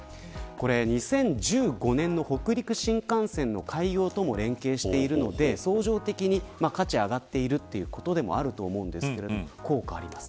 ２０１５年の北陸新幹線の開業とも連携しているので相乗的に価値が上がっているということもあると思いますが効果があります。